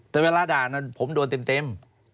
แต่เวลาด่านั้นผมโดนเต็ม